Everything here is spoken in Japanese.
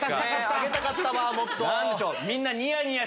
あげたかったわもっと。